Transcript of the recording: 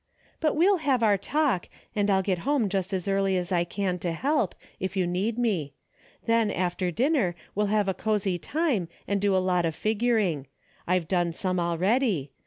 " But we'll have our talk, and I'll get home just as early as I can to help, if you need me. Then after dinner we'll have a cozy time and do a lot of figuring. I've done some already.